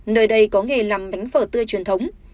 nơi đây có nghề làm bánh phở tươi truyền thống